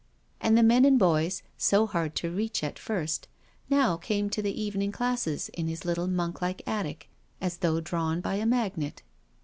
And the men and boys, so hard to reach at first, now came to the evening classes in his little monk like attic as though drawn by a magnet.